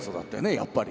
やっぱり。